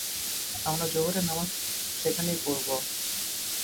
আমরা যোহরের নামাজ সেখানেই পড়ব।